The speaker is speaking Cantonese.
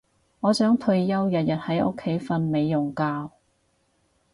我想退休日日喺屋企瞓美容覺